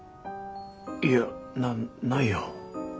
いやなないよ。